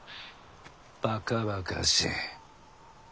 ばかばかしい。